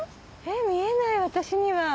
見えない私には。